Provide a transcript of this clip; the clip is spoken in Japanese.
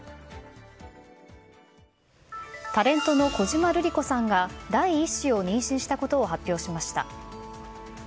タレントの小島瑠璃子さんが第１子を妊娠したことを発表しました。